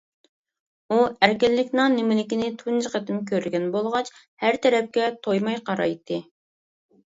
ئۇ ئەركىنلىكنىڭ نېمىلىكىنى تۇنجى قېتىم كۆرگەن بولغاچ ھەر تەرەپكە تويماي قارايتتى.